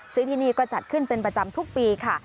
ซึ่งที่นี่ก็จัดขึ้นเป็นประจำทุกปีค่ะ